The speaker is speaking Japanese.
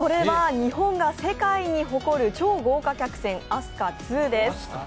これは日本が世界に誇る超豪華客船「飛鳥Ⅱ」です。